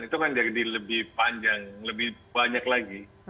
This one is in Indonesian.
itu kan jadi lebih panjang lebih banyak lagi